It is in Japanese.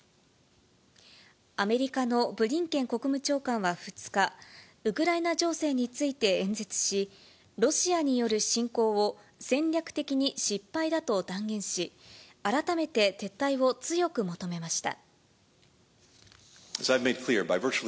アメリカのブリンケン国務長官は２日、ウクライナ情勢について演説し、ロシアによる侵攻を戦略的に失敗だと断言し、改めて撤退を強く求めました。